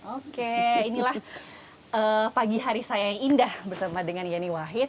oke inilah pagi hari saya yang indah bersama dengan yeni wahid